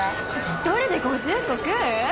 一人で５０個食う？